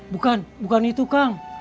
bukan bukan itu kang